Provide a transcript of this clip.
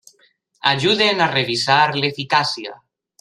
Ajuden a revisar l'eficàcia.